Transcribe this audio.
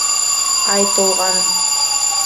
Ай тулған.